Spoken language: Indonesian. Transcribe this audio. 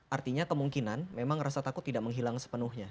artinya kemungkinan memang rasa takut tidak menghilang sepenuhnya